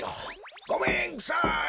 ごめんくさい！